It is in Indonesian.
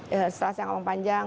setelah saya ngomong panjang